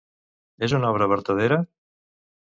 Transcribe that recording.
És una obra vertadera?